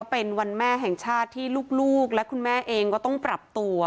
เป็นวันแม่แห่งชาติที่ลูกและคุณแม่เองก็ต้องปรับตัว